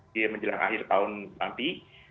di menjelang akhir tahun nanti